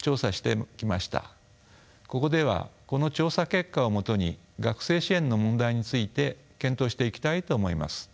ここではこの調査結果を基に学生支援の問題について検討していきたいと思います。